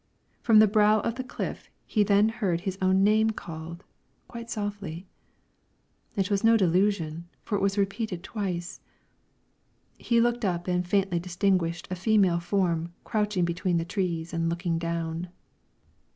From the brow of the cliff he then heard his own name called, quite softly; it was no delusion, for it was repeated twice. He looked up and faintly distinguished a female form crouching between the trees and looking down.